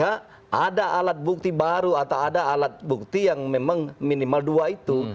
ada alat bukti baru atau ada alat bukti yang memang minimal dua itu